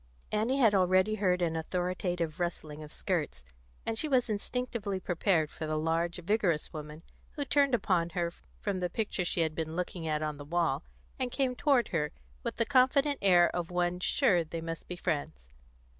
Annie had already heard an authoritative rustling of skirts, and she was instinctively prepared for the large, vigorous woman who turned upon her from the picture she had been looking at on the wall, and came toward her with the confident air of one sure they must be friends.